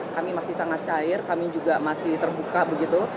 kami masih sangat cair kami juga masih terbuka begitu